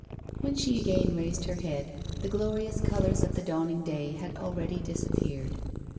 When she again raised her head the glorious colours of the dawning day had already disappeared.